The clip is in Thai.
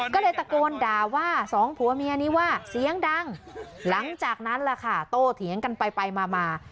ก็เลยตะโกนด่าว่าสองผัวเมียนี้ว่าเสียงดังหลังจากนั้นล่ะค่ะโตเถียงกันไปไปมามา